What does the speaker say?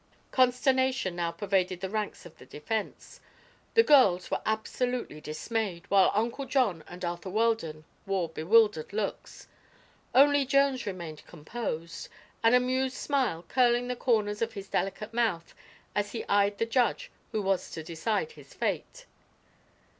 Consternation now pervaded the ranks of the defense. The girls were absolutely dismayed, while Uncle John and Arthur Weldon wore bewildered looks. Only Jones remained composed, an amused smile curling the corners of his delicate mouth as he eyed the judge who was to decide his fate.